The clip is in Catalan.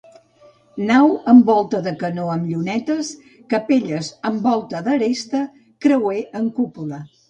Nau amb volta de canó amb llunetes; capelles amb volta d'aresta; creuer amb cúpula.